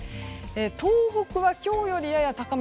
東北は今日よりやや高め。